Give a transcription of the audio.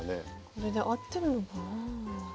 これで合ってるのかなぁ？